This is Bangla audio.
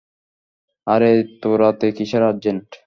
আরে এতো রাতে, কিসের আর্জেন্ট?